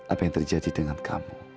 apa yang terjadi dengan kamu